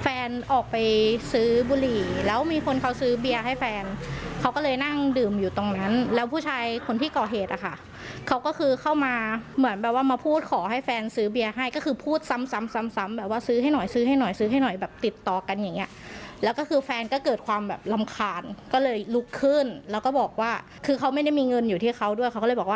แฟนออกไปซื้อบุหรี่แล้วมีคนเขาซื้อเบียร์ให้แฟนเขาก็เลยนั่งดื่มอยู่ตรงนั้นแล้วผู้ชายคนที่ก่อเหตุอ่ะค่ะเขาก็คือเข้ามาเหมือนแบบว่ามาพูดขอให้แฟนซื้อเบียร์ให้ก็คือพูดซ้ำซ้ำซ้ำซ้ำแบบว่าซื้อให้หน่อยซื้อให้หน่อยซื้อให้หน่อยแบบติดต่อกันอย่างเงี้ยแล้วก็คือแฟนก็เกิดความแบบรำคาญ